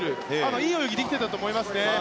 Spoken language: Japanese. いい泳ぎができていたと思います。